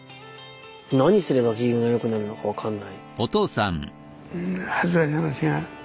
何すれば機嫌がよくなるのか分かんない。